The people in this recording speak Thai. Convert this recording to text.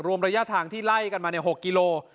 ระยะทางที่ไล่กันมา๖กิโล